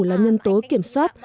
là nhân tố kiểm soát